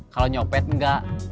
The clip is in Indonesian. kalau nyopet nggak